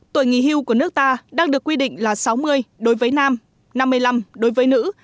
tuổi nghỉ hưu của nước ta đang được quy định là sáu mươi đối với nam năm mươi năm đối với nữ